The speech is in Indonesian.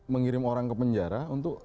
mengirim orang ke penjara